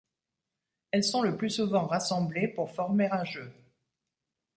Elles sont le plus souvent rassemblées pour former un jeu.